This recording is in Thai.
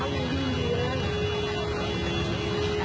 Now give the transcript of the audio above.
มันก็เลี่ยวส่วน